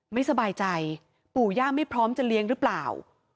ไม่สบายใจปู่ย่าไม่พร้อมจะเลี้ยงหรือเปล่า